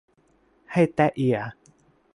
ให้แต๊ะเอีย